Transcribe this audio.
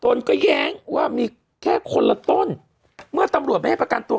ตนก็แย้งว่ามีแค่คนละต้นเมื่อตำรวจไม่ให้ประกันตัว